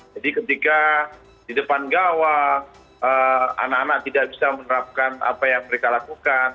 ketika di depan gawa anak anak tidak bisa menerapkan apa yang mereka lakukan